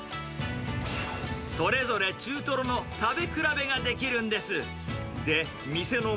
それぞれ中トロの食べ比べができるんです。